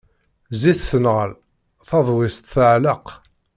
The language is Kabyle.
Zzit tenɣel, taḍwist tɛelleq.